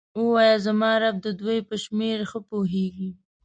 ووایه زما رب د دوی په شمیر ښه پوهیږي.